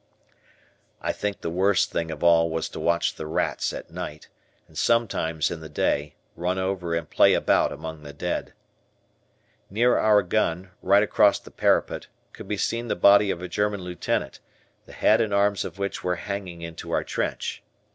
I think the worst thing of all was to watch the rats, at night, and sometimes in the day, run over and play about among the dead. Near our gun, right across the parapet, could be seen the body of a German lieutenant, the head and arms of which were hanging into our trench.